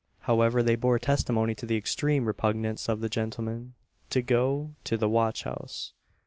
However, they bore testimony to the extreme repugnance of the gentlemen to go to the watch house.